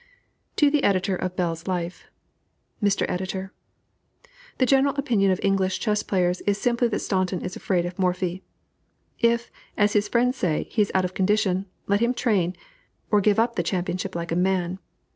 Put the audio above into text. To the Editor of Bell's Life: MR. EDITOR: The general opinion of English chess players is simply that Staunton is afraid of Morphy. If, as his friends say, he is out of condition, let him train, or give up the championship like a man.